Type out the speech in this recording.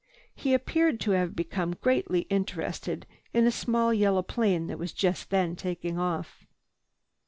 He appeared to have become greatly interested in a small yellow plane that was just then taking off.